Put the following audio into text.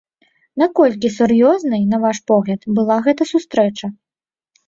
Наколькі сур'ёзнай, на ваш погляд, была гэта сустрэча?